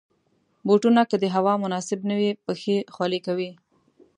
بوټونه که د هوا مناسب نه وي، پښې خولې کوي.